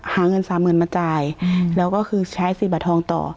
หาเงินสามหมื่นมาจ่ายแล้วก็คือใช้สิทธิ์บัตรทองต่อ